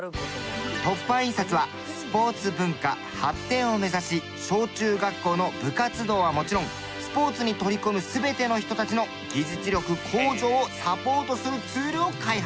凸版印刷はスポーツ文化発展を目指し小中学校の部活動はもちろんスポーツに取り組む全ての人たちの技術力向上をサポートするツールを開発。